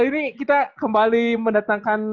ini kita kembali mendatangkan